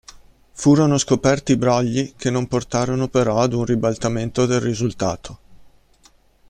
Furono scoperti brogli che non portarono però ad un ribaltamento del risultato.